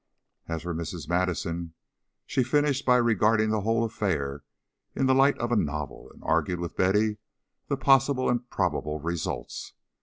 As for Mrs. Madison, she finished by regarding the whole affair in the light of a novel, and argued with Betty the possible and probable results.